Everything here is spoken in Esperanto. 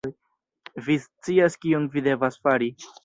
Vi scias kion vi devas fari